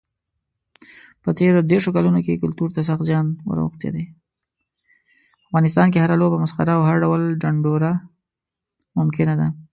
په افغانستان کې هره لوبه، مسخره او هر ډول ډنډوره ممکنه ده.